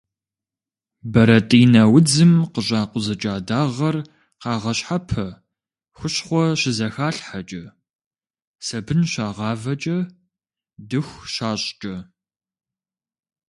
Бэрэтӏинэ удзым къыщӏакъузыкӏа дагъэр къагъэщхьэпэ хущхъуэ щызэхалъхьэкӏэ, сабын щагъавэкӏэ, дыху щащӏкӏэ.